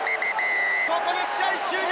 ここで試合終了！